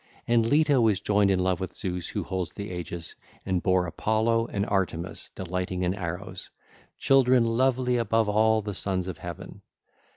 (ll. 918 920) And Leto was joined in love with Zeus who holds the aegis, and bare Apollo and Artemis delighting in arrows, children lovely above all the sons of Heaven.